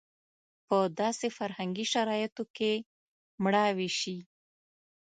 په داسې فرهنګي شرایطو کې مړاوې شي.